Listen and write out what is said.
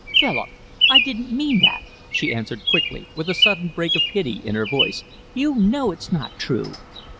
"Philip, I didn't mean that," she answered quickly, with a sudden break of pity in her voice. "You know it's not true."